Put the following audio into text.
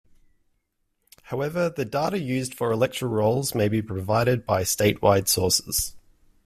However, the data used for electoral rolls may be provided by statewide sources.